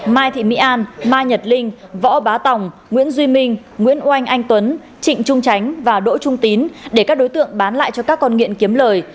mai thị mỹ an mai nhật linh võ bá tòng nguyễn duy minh nguyễn oanh anh tuấn trịnh trung tránh và đỗ trung tín để các đối tượng bán lại cho các con nghiện kiếm lời